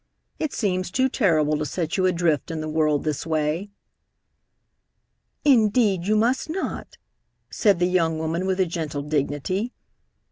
"It seems too terrible to set you adrift in the world this way." "Indeed, you must not," said the young woman, with a gentle dignity.